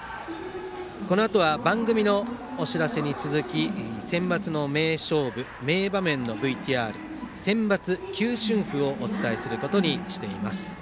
このあとは番組のお知らせに続きセンバツの名勝負、名場面のＶＴＲセンバツ球春譜をお伝えすることにしています。